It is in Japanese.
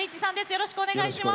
よろしくお願いします。